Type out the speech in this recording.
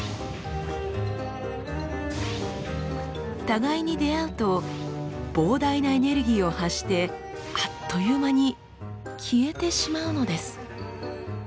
互いに出会うと膨大なエネルギーを発してあっという間に消えてしまうのです。